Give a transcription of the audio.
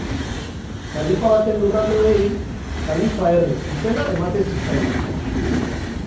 Kalifa baten lurraldeei kalifa-herri izena ematen zitzaien.